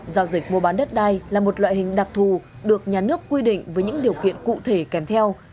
giao dịch mua bán đất đai là một loại hình đặc thù được nhà nước quy định với những điều kiện cụ thể kèm theo